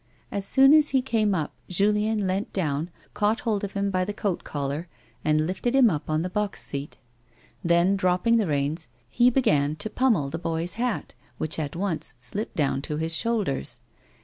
As soon as he came up Julien leant down, caught hold of him by the coat collar, and lifted him up on the box seat ; then, dropping the reins, he began to pommel the boy's hat, which at once slipped down to his shoulders.